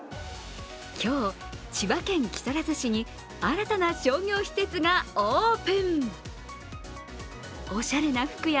今日、千葉県木更津市に新たな商業施設がオープン。